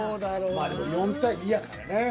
まあでも４対２やからね。